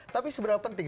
tapi sebenarnya penting